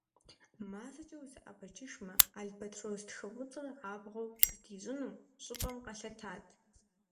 МазэкӀэ узэӀэбэкӀыжымэ, албатрос тхыфӀыцӀэр абгъуэ здищӀыну щӀыпӀэм къэлъэтат.